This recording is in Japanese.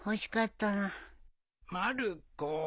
まる子。